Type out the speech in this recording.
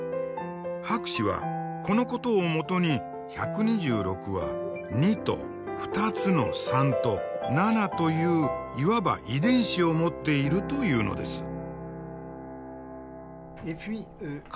博士はこのことをもとに１２６は２と２つの３と７といういわば「遺伝子」を持っているというのです。